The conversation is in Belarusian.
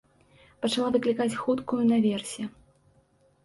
Пачала выклікаць хуткую наверсе.